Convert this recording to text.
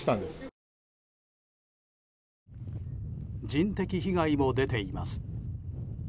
人的被害も出ています。